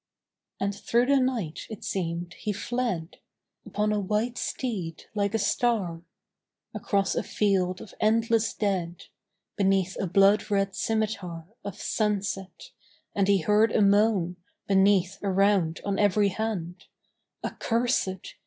And through the night, it seemed, he fled, Upon a white steed like a star, Across a field of endless dead, Beneath a blood red scimitar Of sunset: And he heard a moan, Beneath, around, on every hand "Accurséd!